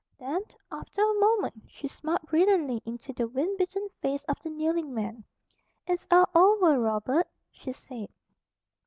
Then, after a moment she smiled brilliantly into the wind bitten face of the kneeling man. "It's all over, Robert," she said.